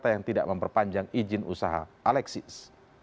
yang tidak memperpanjang izin usaha alexis